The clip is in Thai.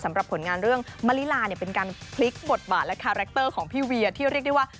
สำหรับผลงานเรื่องมะลิลาเนี่ยเป็นการพลิกบทบาทและคาแรคเตอร์ของพี่เวียที่เรียกได้ว่า